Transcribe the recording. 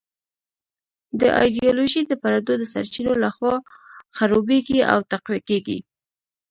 دا ایډیالوژي د پردو د سرچینو لخوا خړوبېږي او تقویه کېږي.